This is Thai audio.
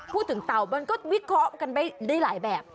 พูดถึงเต่าก็วิเคราะห์กันไปได้หลายแบบ